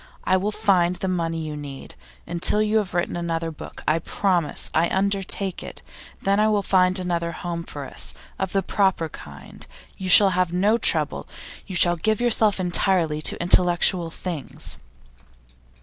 I will find the money you need, until you have written another book. I promise; I undertake it. Then I will find another home for us, of the proper kind. You shall have no trouble. You shall give yourself entirely to intellectual things.